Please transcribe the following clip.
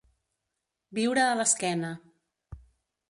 Viure a l'esquena.